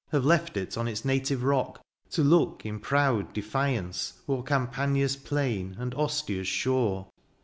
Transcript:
Have left it on its native rock. To look in proud defiance o'er Campagnia's plain and Ostia's shore.